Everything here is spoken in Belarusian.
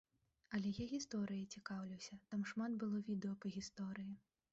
Але я гісторыяй цікаўлюся, там шмат было відэа па гісторыі.